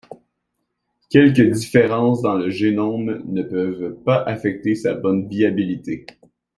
Quelques différences dans le génome ne peuvent pas affecter sa bonne viabilité.